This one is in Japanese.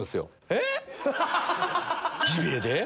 えっ⁉ジビエで？